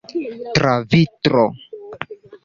Tra vitro.